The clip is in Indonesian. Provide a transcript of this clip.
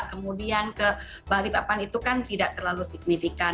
kemudian ke bali papan itu kan tidak terlalu signifikan